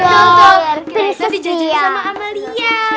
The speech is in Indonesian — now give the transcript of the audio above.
jajanin sama amalia